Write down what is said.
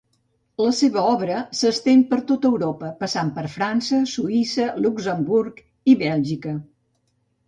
La seva obra s'estén per tot Europa, passant per França, Suïssa, Luxemburg i Bèlgica.